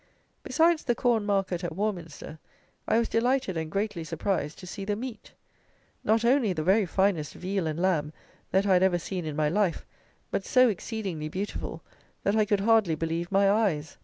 Besides the corn market at Warminster, I was delighted, and greatly surprised, to see the meat. Not only the very finest veal and lamb that I had ever seen in my life, but so exceedingly beautiful that I could hardly believe my eyes.